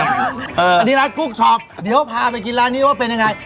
อันนี้ร้านกุ๊กช็อปเดี๋ยวพาไปกินร้านนี้ว่าเป็นยังไง